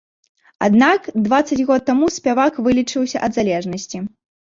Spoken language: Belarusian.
Аднак дваццаць год таму спявак вылечыўся ад залежнасці.